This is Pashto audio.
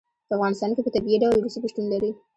په افغانستان کې په طبیعي ډول رسوب شتون لري.